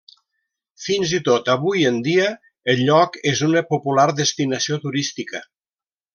Fins i tot avui en dia el lloc és una popular destinació turística.